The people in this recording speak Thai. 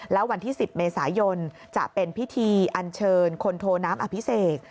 แล้ววันที่๑๐เมษายนจะเป็นพิธีอันเชิญคนโทน้ำอภิเษก